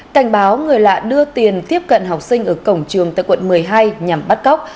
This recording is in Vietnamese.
cảnh báo người lạ đưa tiền tiếp cận học sinh ở cổng trường tại quận một mươi hai nhằm bắt cóc